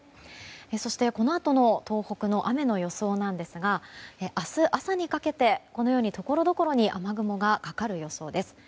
そして、このあとの東北の雨の予想なんですが明日朝にかけて、ところどころに雨雲がかかる予想です。